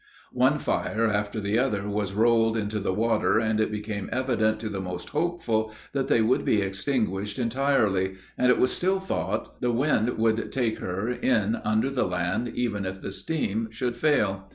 One fire after the other was rolled into the water, and it became evident to the most hopeful that they would be extinguished entirely, and it was still thought, the wind would take her in under the land even if the steam should fail.